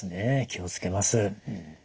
気を付けます。